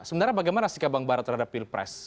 sebenarnya bagaimana sikap bang bara terhadap pilpres